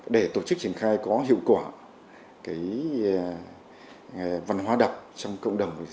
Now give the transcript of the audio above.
để tổ chức triển khai có hiệu quả văn hóa đọc trong cộng đồng